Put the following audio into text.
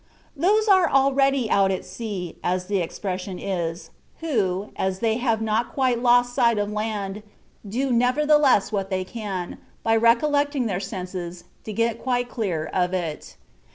Those are already out at sea (as the expression is) who, as they have not quite lost sight of land, do nevertheless what they can, by recollecting their senses, to get quite dear of it.